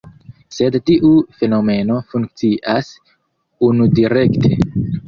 Sed tiu fenomeno funkcias unudirekte.